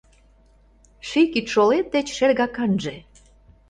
Ший кидшолет деч шергаканже